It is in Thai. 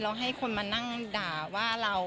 แล้วให้คนมานั่งด่าว่าเรา